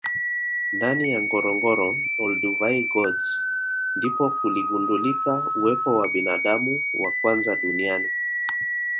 ndani ya ngorongoro Olduvai george ndipo kuligundulika uwepo wa binadamu wa kwanza duniani